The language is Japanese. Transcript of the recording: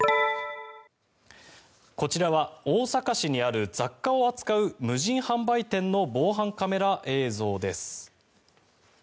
こちらは大阪市にある雑貨を扱う無人販売店の防犯カメラ映像です。